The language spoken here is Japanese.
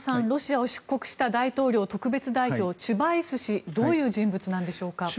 ロシアを出国した大統領特別代表チュバイス氏どういう人物なんでしょうか？